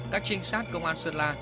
các trinh sát công an sơn la